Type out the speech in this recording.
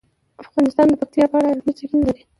افغانستان د پکتیکا په اړه علمي څېړنې لري.